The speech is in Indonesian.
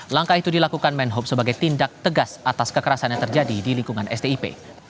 langkah itu dilakukan menhub sebagai tindak tegas atas kekerasan yang terjadi di lingkungan stip